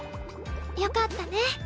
よかったね。